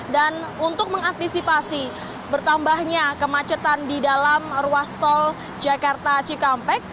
dan untuk mengantisipasi bertambahnya kemacetan di dalam ruas tol jakarta cikampek